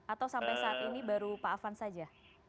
atau sampai saat ini baru pak afan saja